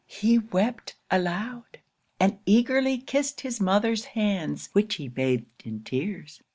He wept aloud; and eagerly kissed his mother's hands, which he bathed in tears.